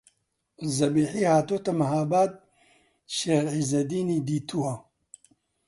زەبیحی هاتۆتە مەهاباد شێخ عیززەدینی دیتووە